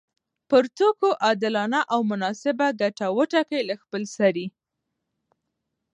پر توکو عادلانه او مناسب ګټه وټاکي له خپلسري